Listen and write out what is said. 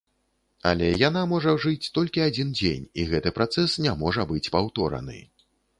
Але яна можа жыць толькі адзін дзень, і гэты працэс не можа быць паўтораны.